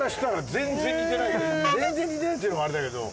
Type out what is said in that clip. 全然似てないっていうのもあれだけど。